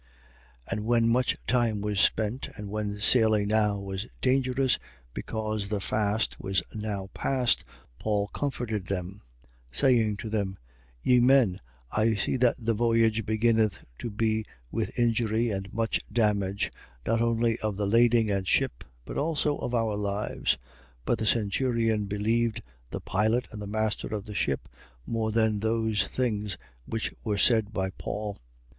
27:9. And when much time was spent and when sailing now was dangerous, because the fast was now past, Paul comforted them, 27:10. Saying to them: Ye men, I see that the voyage beginneth to be with injury and much damage, not only of the lading and ship, but also of our lives. 27:11. But the centurion believed the pilot and the master of the ship, more than those things which were said by Paul.